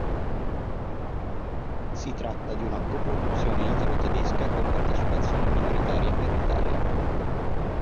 Si tratta di una coproduzione italo-tedesca, con partecipazione minoritaria per l'Italia.